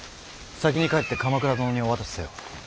先に帰って鎌倉殿にお渡しせよ。